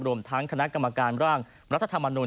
รวมทั้งคณะกรรมการร่างรัฐธรรมนุน